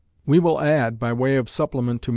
"We will add, by way of supplement to M.